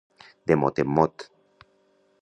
De mot en mot.